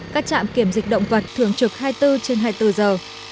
các trạm kiểm dịch động vật thường trực hai mươi bốn trên hai mươi bốn giờ